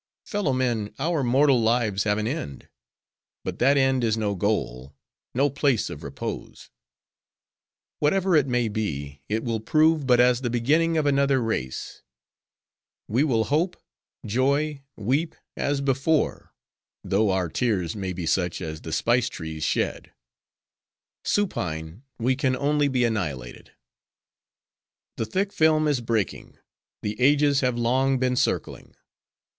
Fellow men! our mortal lives have an end; but that end is no goal: no place of repose. Whatever it may be, it will prove but as the beginning of another race. We will hope, joy, weep, as before; though our tears may be such as the spice trees shed. Supine we can only be, annihilated. "'The thick film is breaking; the ages have long been circling.